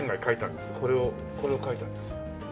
これをこれを描いたんですよ。